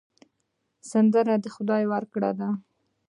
سندره د خدای ورکړه ده